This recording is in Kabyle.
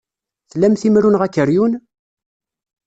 Tlamt imru neɣ akeryun?